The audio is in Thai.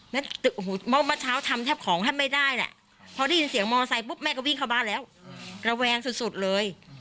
แล้วเมื่อเช้าทำแทบของแทบไม่ได้แหละพอได้ยินเสียงมอไซคปุ๊บแม่ก็วิ่งเข้าบ้านแล้วระแวงสุดเลย